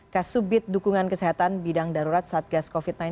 kasubit dukungan kesehatan bidang darurat satgas covid sembilan belas